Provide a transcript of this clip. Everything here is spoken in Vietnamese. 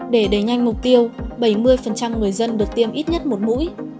để đẩy nhanh mục tiêu bảy mươi người dân được tiêm ít nhất một mũi